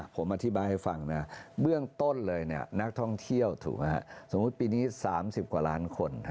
ผมอธิบายให้ฟังนะเบื้องต้นเลยนักท่องเที่ยวถูกไหมฮะสมมุติปีนี้๓๐กว่าล้านคน